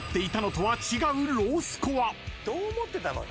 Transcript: どう思ってたの？